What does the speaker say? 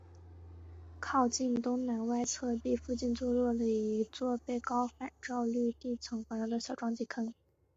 靠近东南外侧壁附近坐落了一座被高反照率地层环绕的小撞击坑。